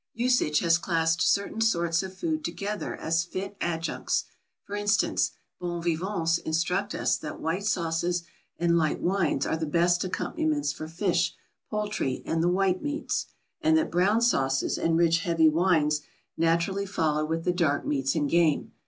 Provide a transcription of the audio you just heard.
Usage has classed certain sorts of food together as fit adjuncts; for instance, bon vivants instruct us that white sauces and light wines are the best accompaniments for fish, poultry, and the white meats; and that brown sauces, and rich, heavy wines, naturally follow with the dark meats and game.